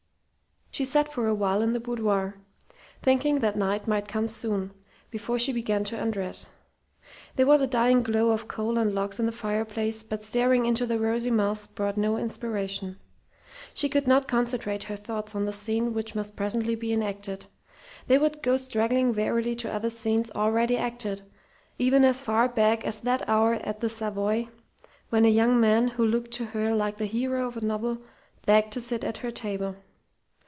She sat for a while in the boudoir, thinking that Knight might come soon, before she began to undress. There was a dying glow of coal and logs in the fireplace, but staring into the rosy mass brought no inspiration. She could not concentrate her thoughts on the scene which must presently be enacted; they would go straggling wearily to other scenes already acted, even as far back as that hour at the Savoy when a young man who looked to her like the hero of a novel begged to sit at her table.